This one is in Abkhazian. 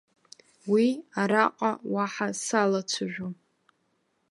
Уи араҟа уаҳа салацәажәом.